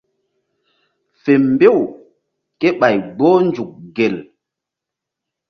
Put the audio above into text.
Fe mbew kéɓay gboh nzuk gel.